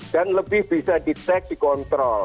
dan lebih bisa di check di kontrol